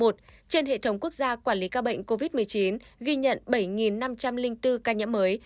trên hệ thống quốc gia quản lý ca bệnh covid một mươi chín ghi nhận bảy năm trăm linh bốn ca nhiễm mới